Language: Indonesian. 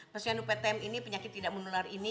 posyandu ptm ini penyakit tidak menular ini